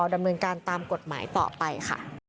ดำเนินการตามกฎหมายต่อไปค่ะ